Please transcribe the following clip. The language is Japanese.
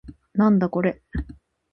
なんだこれ